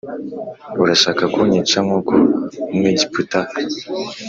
Urashaka kunyica nk’ uko umwegiputa